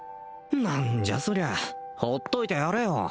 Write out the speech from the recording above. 何じゃそりゃほっといてやれよ